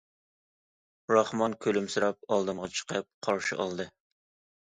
راخمان كۈلۈمسىرەپ ئالدىمغا چىقىپ قارشى ئالدى.